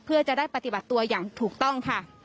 เพื่อจะได้ปฏิบัติตัวอย่างถูกต้องค่ะ